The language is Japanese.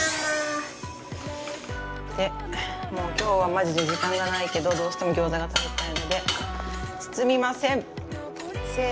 今日はマジで時間がないけどどうしても餃子が食べたいので包みません！